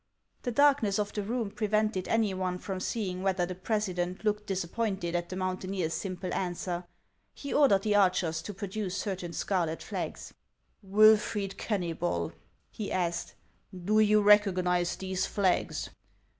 The darkness of the room prevented any one from seeing whether the president looked disappointed at the moun taineer's simple answer. He ordered the archers to pro duce certain scarlet flags. 442 HANS OF ICELAND. " Wilfred Kenuybol," he asked, " do you recognize these flags